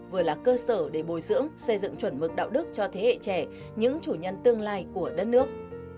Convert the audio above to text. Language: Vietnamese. vừa là cơ sở để bồi dưỡng xây dựng chuẩn mực đạo đức cho thế hệ trẻ những chủ nhân tương lai của đất nước